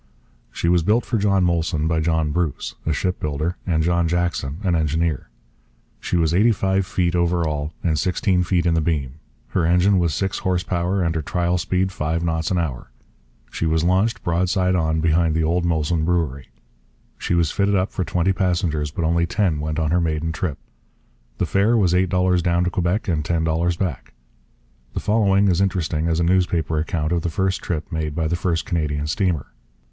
She was built for John Molson by John Bruce, a shipbuilder, and John Jackson, an engineer. She was eighty five feet over all and sixteen feet in the beam. Her engine was six horse power, and her trial speed five knots an hour. She was launched, broadside on, behind the old Molson brewery. She was fitted up for twenty passengers, but only ten went on her maiden trip. The fare was eight dollars down to Quebec and ten dollars back. The following is interesting as a newspaper account of the first trip made by the first Canadian steamer.